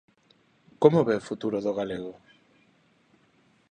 Como ve o futuro do galego?